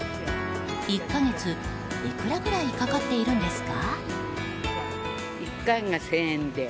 １か月いくらくらいかかっているんですか？